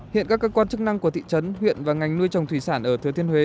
hiện các cơ quan chức năng của thị trấn huyện và ngành nuôi trồng thủy sản ở thừa thiên huế